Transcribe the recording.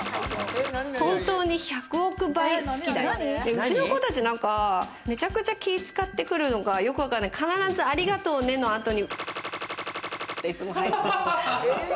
うちの子達なんかめちゃくちゃ気を使ってくるのが、必ずありがとうねのあとに。